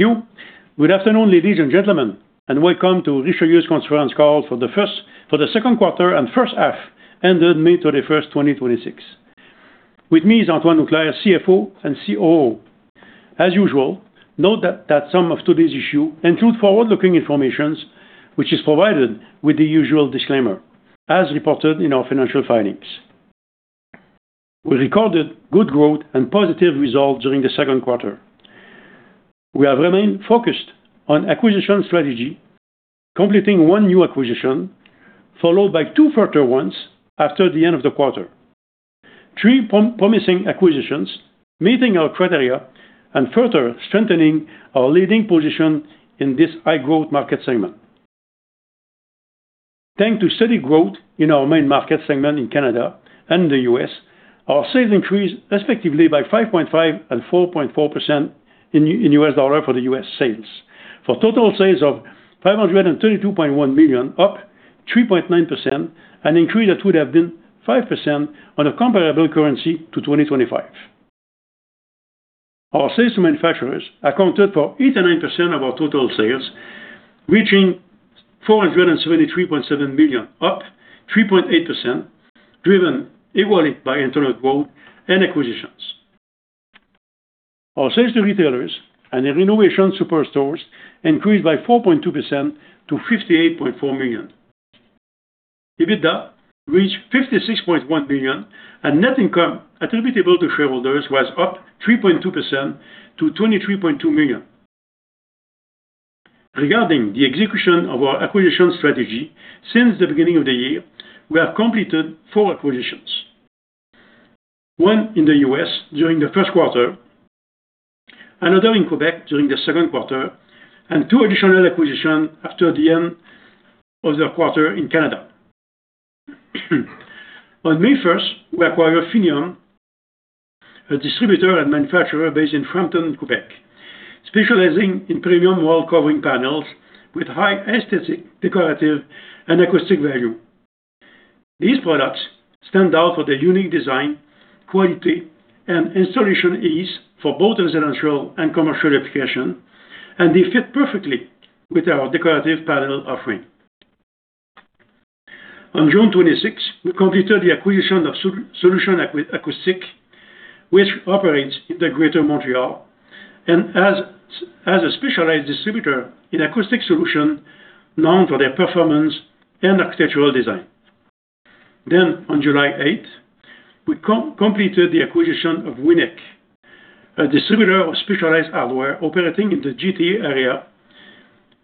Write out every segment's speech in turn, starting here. You. Good afternoon, ladies and gentlemen, and welcome to Richelieu's conference call for the second quarter and first half, ended May 31st, 2026. With me is Antoine Auclair, CFO and COO. As usual, note that some of today's issue include forward-looking informations, which is provided with the usual disclaimer, as reported in our financial filings. We recorded good growth and positive results during the Q2. We have remained focused on acquisition strategy, completing one new acquisition, followed by two further ones after the end of the quarter. Three promising acquisitions, meeting our criteria and further strengthening our leading position in this high-growth market segment. Thanks to steady growth in our main market segment in Canada and the U.S., our sales increased respectively by 5.5 and 4.4% in U.S. dollar for the U.S. sales. For total sales of 532.1 million, up 3.9%, an increase that would have been 5% on a comparable currency to 2025. Our sales to manufacturers accounted for 89% of our total sales, reaching 473.7 million, up 3.8%, driven equally by internal growth and acquisitions. Our sales to retailers and the renovation superstores increased by 4.2% to 58.4 million. EBITDA reached 56.1 million, and net income attributable to shareholders was up 3.2% to 23.2 million. Regarding the execution of our acquisition strategy since the beginning of the year, we have completed four acquisitions. One in the U.S. during the first quarter, another in Quebec during the second quarter, and two additional acquisition after the end of the quarter in Canada. On May 1st, we acquired Finium, a distributor and manufacturer based in Frampton, Quebec, specializing in premium wall covering panels with high aesthetic, decorative, and acoustic value. These products stand out for their unique design, quality, and installation ease for both residential and commercial application, and they fit perfectly with our decorative panel offering. On June 26, we completed the acquisition of Solutions Acoustiques, which operates in the Greater Montreal and as a specialized distributor in acoustic solution known for their performance and architectural design. On July 8, we completed the acquisition of Winnec, a distributor of specialized hardware operating in the GTA area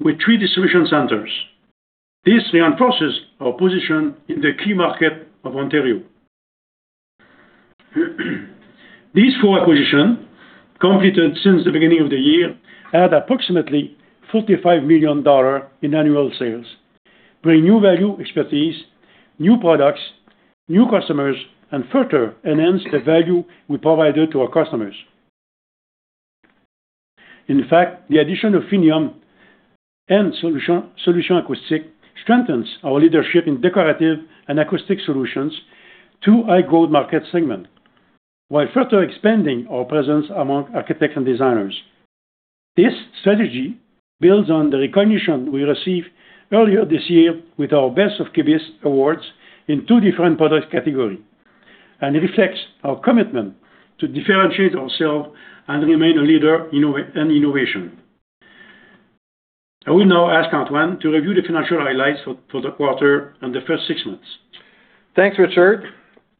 with three distribution centers. This reinforces our position in the key market of Ontario. These four acquisition, completed since the beginning of the year, add approximately 45 million dollars in annual sales, bring new value, expertise, new products, new customers, and further enhance the value we provided to our customers. In fact, the addition of Finium and Solutions Acoustiques strengthens our leadership in decorative and acoustic solutions, two high-growth market segment, while further expanding our presence among architects and designers. This strategy builds on the recognition we received earlier this year with our Best of KBIS awards in two different product category, and it reflects our commitment to differentiate ourselves and remain a leader in innovation. I will now ask Antoine to review the financial highlights for the quarter and the first six months. Thanks, Richard.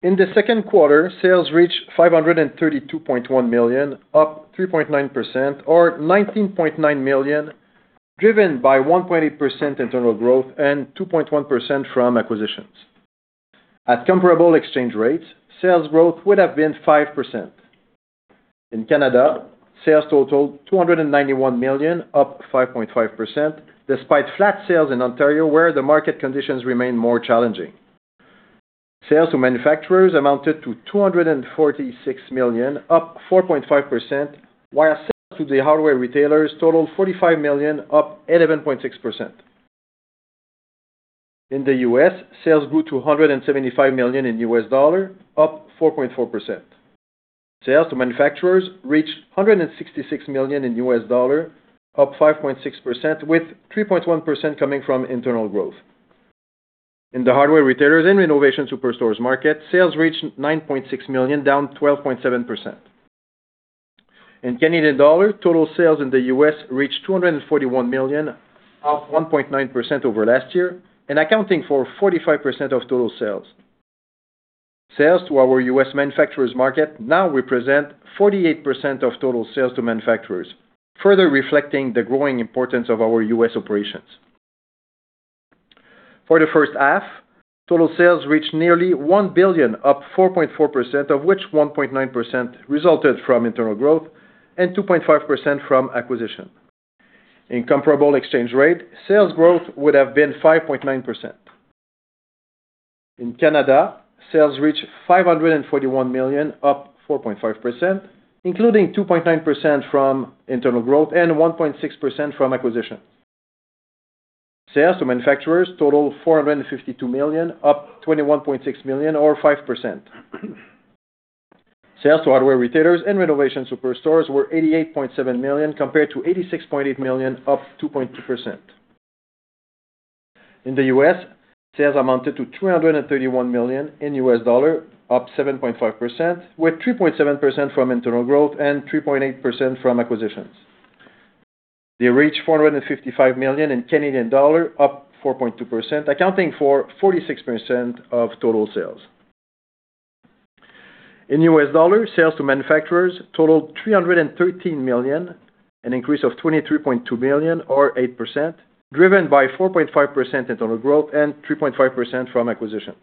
In the second quarter sales reached 532.1 million, up 3.9%, or 19.9 million, driven by 1.8% internal growth and 2.1% from acquisitions. At comparable exchange rates, sales growth would have been 5%. In Canada, sales totaled 291 million, up 5.5%, despite flat sales in Ontario, where the market conditions remain more challenging. Sales to manufacturers amounted to CAD 246 million, up 4.5%, while sales to the hardware retailers totaled CAD 45 million, up 11.6%. In the U.S., sales grew to $175 million in U.S. dollar, up 4.4%. Sales to manufacturers reached $166 million in U.S. dollar, up 5.6%, with 3.1% coming from internal growth. In the hardware retailers and renovation superstores market, sales reached 9.6 million, down 12.7%. In Canadian dollar, total sales in the U.S. reached 241 million, up 1.9% over last year and accounting for 45% of total sales. Sales to our U.S. manufacturers market now represent 48% of total sales to manufacturers, further reflecting the growing importance of our U.S. operations. For the first half, total sales reached nearly 1 billion, up 4.4%, of which 1.9% resulted from internal growth and 2.5% from acquisition. In comparable exchange rate, sales growth would have been 5.9%. In Canada, sales reached 541 million, up 4.5%, including 2.9% from internal growth and 1.6% from acquisition. Sales to manufacturers totaled 452 million, up 21.6 million or 5%. Sales to hardware retailers and renovation superstores were 88.7 million, compared to 86.8 million, up 2.2%. In the U.S., sales amounted to $331 million in U.S. dollar, up 7.5%, with 3.7% from internal growth and 3.8% from acquisitions. They reached 455 million in Canadian dollar, up 4.2%, accounting for 46% of total sales. In U.S. dollars, sales to manufacturers totaled $313 million, an increase of $23.2 million or eight percent, driven by 4.5% internal growth and 3.5% from acquisitions.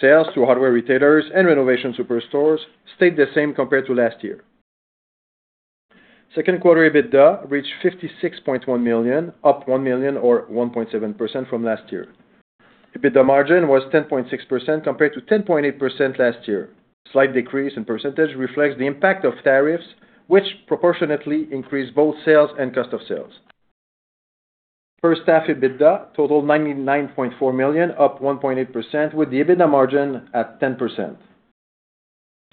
Sales to hardware retailers and renovation superstores stayed the same compared to last year. Second quarter EBITDA reached 56.1 million, up 1 million or 1.7% from last year. EBITDA margin was 10.6% compared to 10.8% last year. Slight decrease in percentage reflects the impact of tariffs, which proportionately increased both sales and cost of sales. First half EBITDA totaled 99.4 million, up 1.8%, with the EBITDA margin at 10%.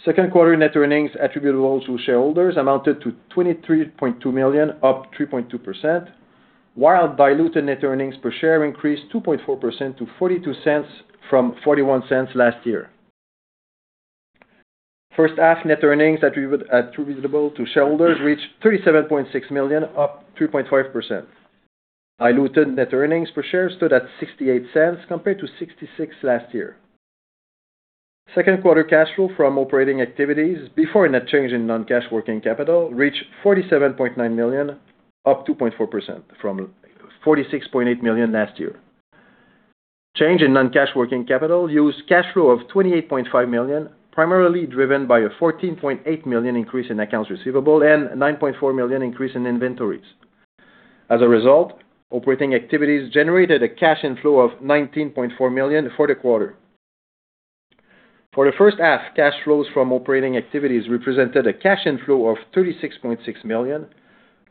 Second quarter net earnings attributable to shareholders amounted to 23.2 million, up 3.2%, while diluted net earnings per share increased 2.4% to 0.42 from 0.41 last year. First half net earnings attributable to shareholders reached 37.6 million, up 2.5%. Diluted net earnings per share stood at 0.68 compared to 0.66 last year. Second quarter cash flow from operating activities before net change in non-cash working capital reached 47.9 million, up 2.4% from 46.8 million last year. Change in non-cash working capital used cash flow of 28.5 million, primarily driven by a 14.8 million increase in accounts receivable and 9.4 million increase in inventories. As a result, operating activities generated a cash inflow of 19.4 million for the quarter. For the first half, cash flows from operating activities represented a cash inflow of 36.6 million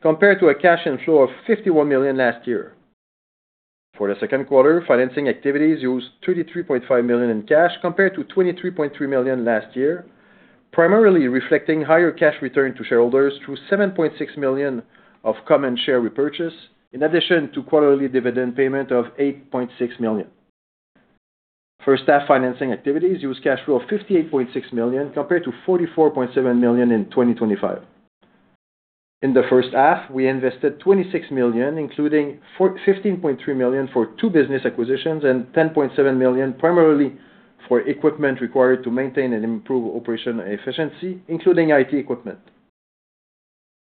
compared to a cash inflow of 51 million last year. For the second quarter, financing activities used 33.5 million in cash compared to 23.3 million last year, primarily reflecting higher cash return to shareholders through 7.6 million of common share repurchase, in addition to quarterly dividend payment of 8.6 million. First half financing activities used cash flow of 58.6 million compared to 44.7 million in 2025. In the first half, we invested 26 million, including 15.3 million for two business acquisitions and 10.7 million primarily for equipment required to maintain and improve operational efficiency, including IT equipment.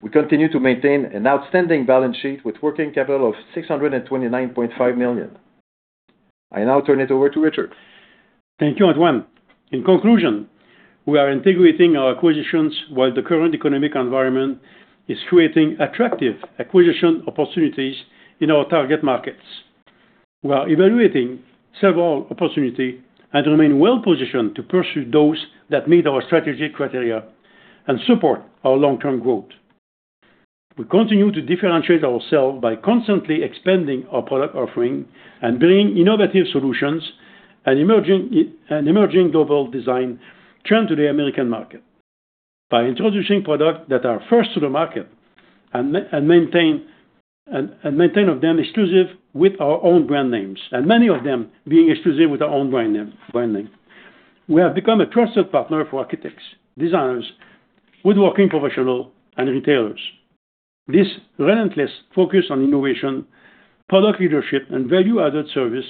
We continue to maintain an outstanding balance sheet with working capital of 629.5 million. I now turn it over to Richard. Thank you, Antoine. In conclusion, we are integrating our acquisitions while the current economic environment is creating attractive acquisition opportunities in our target markets. We are evaluating several opportunity and remain well positioned to pursue those that meet our strategic criteria and support our long-term growth. We continue to differentiate ourselves by constantly expanding our product offering and bringing innovative solutions and emerging global design trends to the American market. By introducing products that are first to the market and many of them being exclusive with our own brand name. We have become a trusted partner for architects, designers, woodworking professional, and retailers. This relentless focus on innovation, product leadership, and value-added service,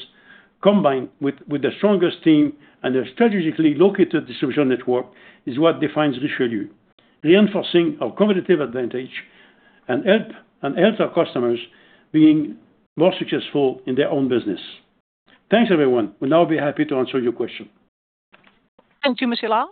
combined with the strongest team and a strategically located distribution network, is what defines Richelieu, reinforcing our competitive advantage and help our customers being more successful in their own business. Thanks, everyone. We'll now be happy to answer your question. Thank you, Mr. Lord.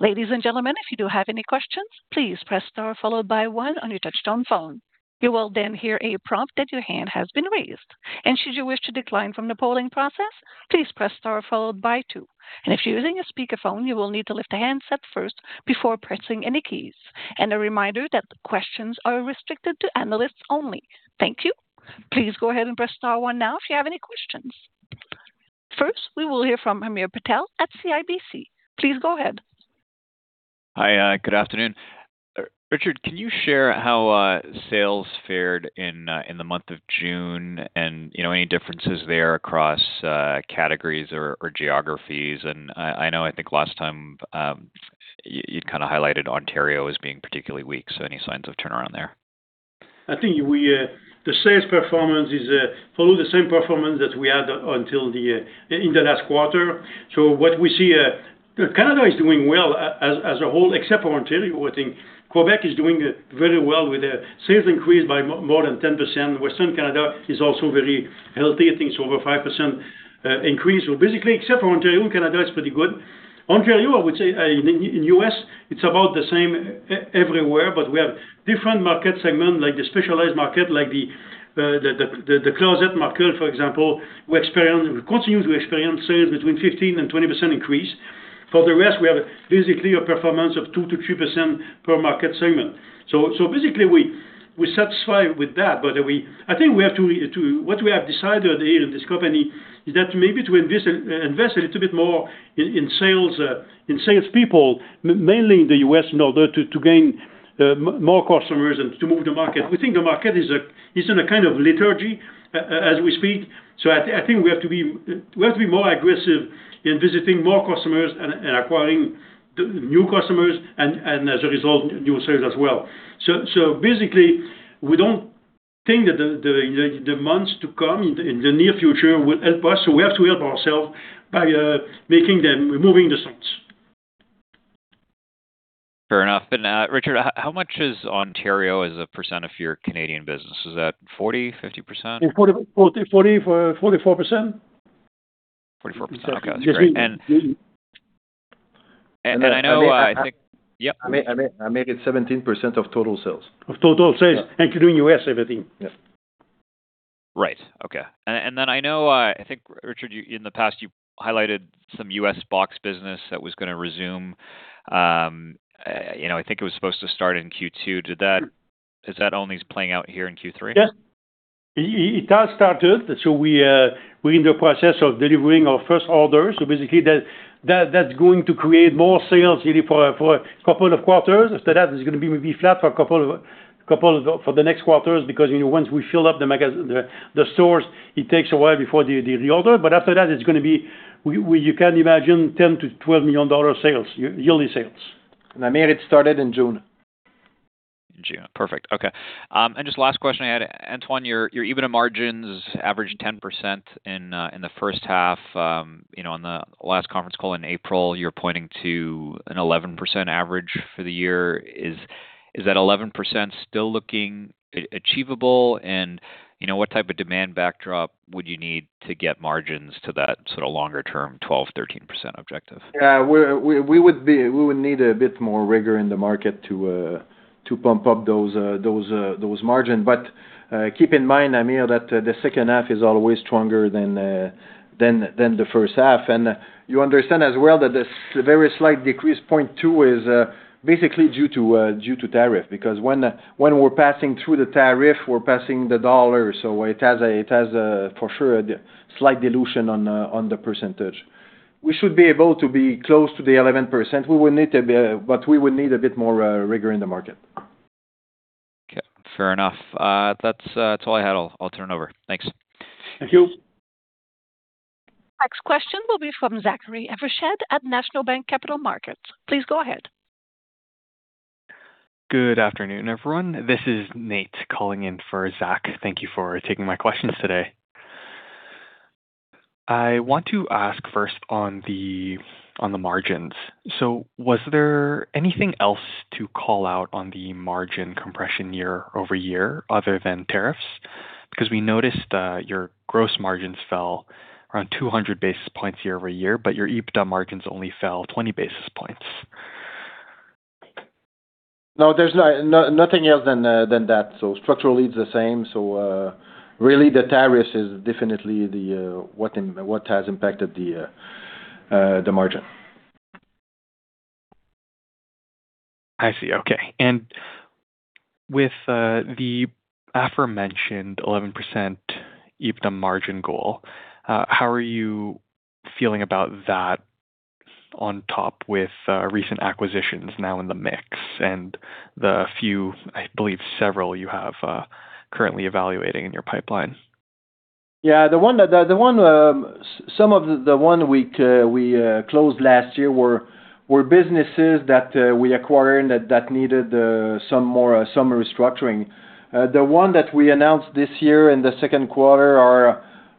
Ladies and gentlemen, if you do have any questions, please press star followed by one on your touch-tone phone. You will then hear a prompt that your hand has been raised. should you wish to decline from the polling process, please press star followed by two. if you're using a speakerphone, you will need to lift the handset first before pressing any keys and a reminder that questions are restricted to analysts only. Thank you. Please go ahead and press star one now if you have any questions. First, we will hear from Hamir Patel at CIBC. Please go ahead. Hi. Good afternoon. Richard, can you share how sales fared in the month of June and any differences there across categories or geographies? I know I think last time you'd highlighted Ontario as being particularly weak, so any signs of turnaround there? I think the sales performance followed the same performance that we had in the last quarter. What we see, Canada is doing well as a whole, except for Ontario. I think Quebec is doing very well with a sales increase by more than 10%. Western Canada is also very healthy. I think it's over 5% increase. Basically, except for Ontario, Canada is pretty good. Ontario, I would say, in the U.S., it's about the same everywhere, but we have different market segments, like the specialized market, like the closet market, for example, we continue to experience sales between 15 and 20% increase. For the rest, we have basically a performance of two percent-three percent per market segment. Basically, we're satisfied with that, but I think what we have decided here in this company is that maybe to invest a little bit more in salespeople, mainly in the U.S., in order to gain more customers and to move the market. We think the market is in a kind of lethargy as we speak. I think we have to be more aggressive in visiting more customers and acquiring new customers, and as a result, new sales as well. Basically, we don't think that the months to come in the near future will help us, so we have to help ourselves by moving the sales. Fair enough. Richard, how much is Ontario as a percent of your Canadian business? Is that 40%, 50%? 44%. 44%, okay, that's great. I know, I think. Yep. I make it 17% of total sales. Of total sales. Including U.S., everything. Yes. Right. Okay. I know, I think, Richard, in the past, you highlighted some U.S. box business that was going to resume. I think it was supposed to start in Q2. Is that only playing out here in Q3? Yes. It has started. It has started. We're in the process of delivering our first order. So basically that's going to create more sales really for a couple of quarters. After that, it's going to be maybe flat for the next quarters, because once we fill up the stores, it takes a while before the reorder. But after that, it's going to be, you can imagine, 10 million-12 million dollar sales, yearly sales. Hamir, it started in June. June. Perfect. Okay. Just last question I had, Antoine, your EBITDA margins averaged 10% in the first half. On the last conference call in April, you were pointing to an 11% average for the year. Is that 11% still looking achievable? What type of demand backdrop would you need to get margins to that sort of longer term 12%, 13% objective? We would need a bit more rigor in the market to pump up those margin. But keep in mind, Hamir, that the second half is always stronger than the first half. And you understand as well that the very slight decrease, 0.2, is basically due to tariff, because when we're passing through the tariff, we're passing the dollar, so it has, for sure, a slight dilution on the percentage. We should be able to be close to the 11%, but we would need a bit more rigor in the market. Okay, fair enough. That's all I had. I'll turn it over. Thanks. Thank you. Next question will be from Zachary Evershed at National Bank Capital Markets. Please go ahead. Good afternoon, everyone. This is Nate calling in for Zach. Thank you for taking my questions today. I want to ask first on the margins. Was there anything else to call out on the margin compression year-over-year other than tariffs? Because we noticed your gross margins fell around 200 basis points year-over-year, but your EBITDA margins only fell 20 basis points. No, there's nothing else than that. Structurally, it's the same. Really the tariffs is definitely what has impacted the margin. I see. Okay. With the aforementioned 11% EBITDA margin goal, how are you feeling about that on top with recent acquisitions now in the mix and the few, I believe several, you have currently evaluating in your pipeline? Yeah. Some of the one we closed last year were businesses that we acquired that needed some restructuring. The one that we announced this year in the second quarter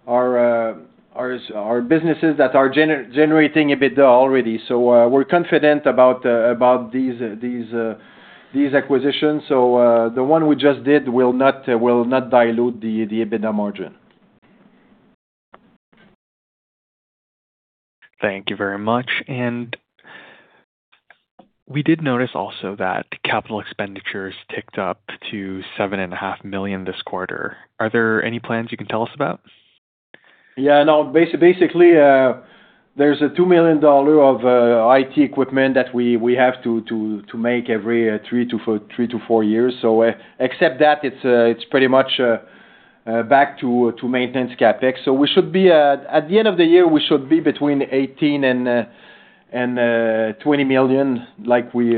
are businesses that are generating EBITDA already. We're confident about these acquisitions. The one we just did will not dilute the EBITDA margin. Thank you very much. We did notice also that capital expenditures ticked up to 7.5 million this quarter. Are there any plans you can tell us about? Basically, there's a 2 million dollar of IT equipment that we have to make every three to four years. except that, it's pretty much back to maintenance CapEx. at the end of the year, we should be between 18 million and 20 million, like we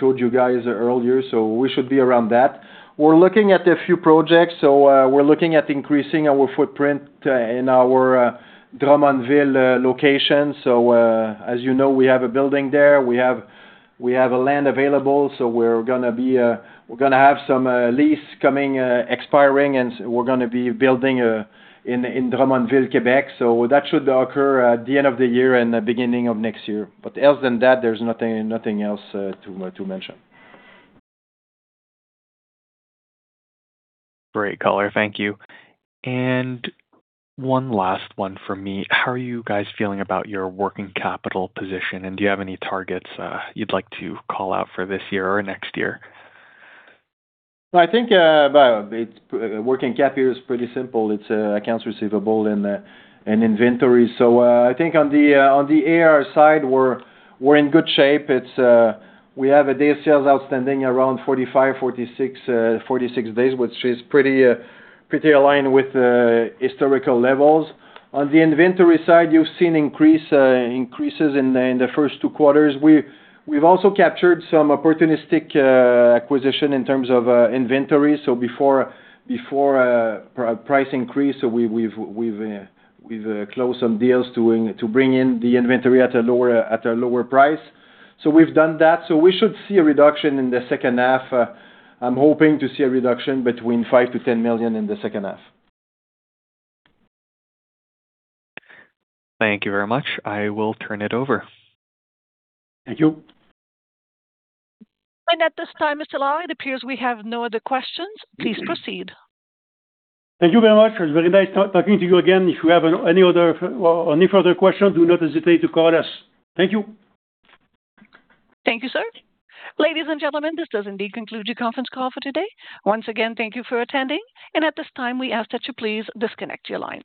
told you guys earlier. we should be around that. We're looking at a few projects. we're looking at increasing our footprint in our Drummondville location. as you know, we have a building there. We have land available, we're going to have some lease coming, expiring, and we're going to be building in Drummondville, Quebec. that should occur at the end of the year and the beginning of next year. else than that, there's nothing else to mention. Great, caller. Thank you. one last one from me. How are you guys feeling about your working capital position, and do you have any targets you'd like to call out for this year or next year? I think working capital is pretty simple. It's accounts receivable and inventory. I think on the AR side, we're in good shape. We have a day of sales outstanding around 45, 46 days, which is pretty aligned with historical levels. On the inventory side, you've seen increases in the first two quarters. We've also captured some opportunistic acquisition in terms of inventory. before price increase, we've closed some deals to bring in the inventory at a lower price. we've done that. we should see a reduction in the second half. I'm hoping to see a reduction between 5 million-10 million in the second half. Thank you very much. I will turn it over. Thank you. At this time, Mr. Lord, it appears we have no other questions. Please proceed. Thank you very much. It was very nice talking to you again. If you have any further questions, do not hesitate to call us. Thank you. Thank you, sir. Ladies and gentlemen, this does indeed conclude your conference call for today. Once again, thank you for attending. At this time, we ask that you please disconnect your lines.